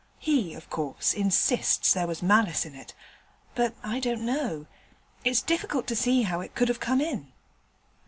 He, of course, insists there was malice in it, but I don't know. It's difficult to see how it could have come in.'